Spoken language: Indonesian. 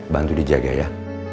bantu dijaga ya